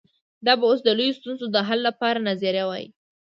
دا به اوس د لویو ستونزو د حل لپاره نظریه وای.